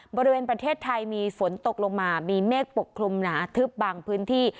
บริเวณประเทศไทยมีฝนตกลงมามีเมฆปกคลุมหนาทึบบางพื้นที่